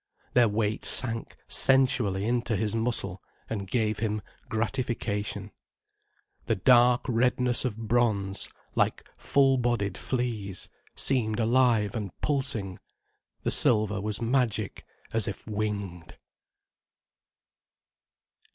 Their weight sank sensually into his muscle, and gave him gratification. The dark redness of bronze, like full blooded fleas, seemed alive and pulsing, the silver was magic as if winged.